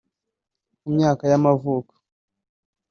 ku myaka y’amavuko